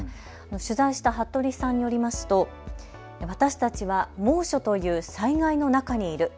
取材した服部さんによりますと私たちは猛暑という災害の中にいる。